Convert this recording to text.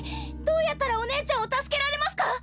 どうやったらお姉ちゃんを助けられますか！？